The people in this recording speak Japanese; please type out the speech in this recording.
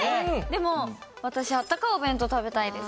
でも私あったかいお弁当食べたいです。